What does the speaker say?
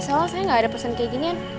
salah saya gak ada pesen kayak ginian